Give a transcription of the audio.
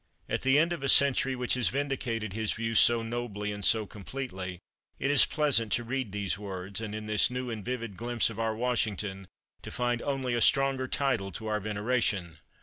'" At the end of a century which has vindicated his view so nobly and so completely it is pleasant to read these words, and in this new and vivid glimpse of our Washington to find only a stronger title to our veneration.